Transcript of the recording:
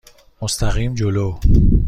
مستقیم جلو.